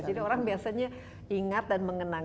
jadi orang biasanya ingat dan mengenang